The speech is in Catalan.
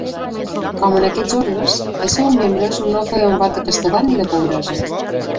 Com en aquests ordes, els seus membres no feien vot de castedat ni de pobresa.